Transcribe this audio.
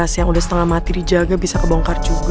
yang udah setengah mati dijaga bisa kebongkar juga